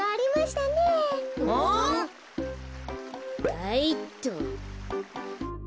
はいっと。